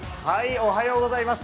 おはようございます。